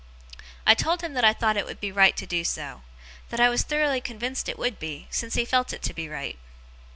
I told him that I thought it would be right to do so that I was thoroughly convinced it would be, since he felt it to be right.